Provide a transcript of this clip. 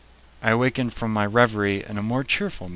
I awakened from my reverie in a more cheerful mood.